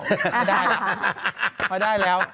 ไม่ได้ล่ะไม่ได้แล้ว